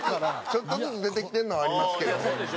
ちょっとずつ出てきてるのはありますけど。